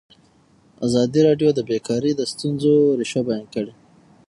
ازادي راډیو د بیکاري د ستونزو رېښه بیان کړې.